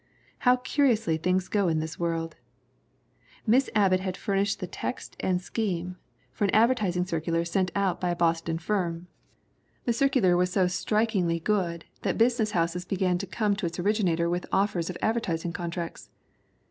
How curiously things go in this world! Miss Ab bott had furnished the text and scheme for an adver 330 THE WOMEN WHO MAKE OUR NOVELS tising circular sent out by a Boston firm. The circu lar was so strikingly good that business houses began to come to its originator with offers of advertising contracts.